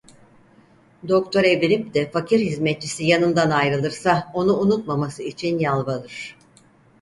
Doktor evlenip de fakir hizmetçisi yanından ayrılırsa onu unutmaması için yalvarır.